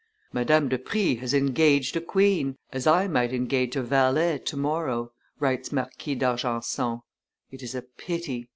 "Madame de Prie has engaged a queen, as I might engage a valet to morrow," writes Marquis d'Argenson; it is a pity."